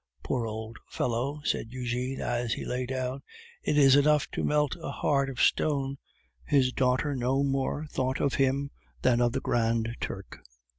"Poor old fellow!" said Eugene as he lay down. "It is enough to melt a heart of stone. His daughter no more thought of him than of the Grand Turk."